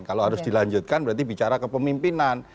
kalau harus dilanjutkan berarti bicara ke pemimpinan